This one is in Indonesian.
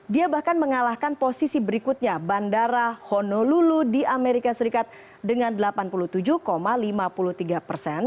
dia bahkan mengalahkan posisi berikutnya bandara honolulu di amerika serikat dengan delapan puluh tujuh lima puluh tiga persen